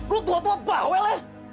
lo tua tua bawel ya